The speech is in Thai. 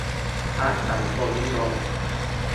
พรรคสังคมนิยม